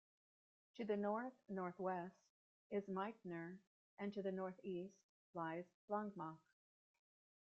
To the north-northwest is Meitner, and to the northeast lies Langemak.